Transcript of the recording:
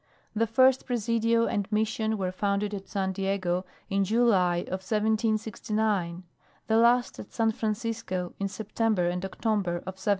The first Presidio and Mission were founded at San Diego in July of 1769; the last at San Francisco in September and October of 1776.